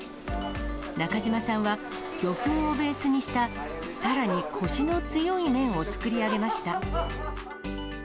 中島さんは、魚粉をベースにした、さらにこしの強い麺を作り上げました。